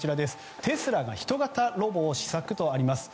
テスラが人型ロボを試作とあります。